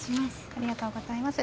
ありがとうございます。